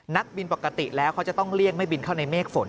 นักบินปกติแล้วเขาจะต้องเลี่ยงไม่บินเข้าในเมฆฝน